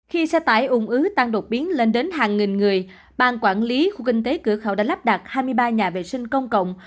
khi xe tải ủng ứ tăng đột biến lên đến hàng nghìn người bang quản lý khu kinh tế cửa khẩu đã lắp đặt hai mươi ba nhà vệ sinh công cộng